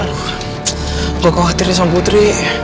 lu masih di sini